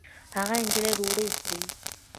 هغه نجلۍ ډوډۍ خوري